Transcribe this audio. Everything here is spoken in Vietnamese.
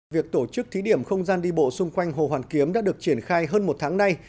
việc tổ chức thí điểm không gian đi bộ xung quanh hồ hoàn kiếm đã được triển khai hơn một tháng nay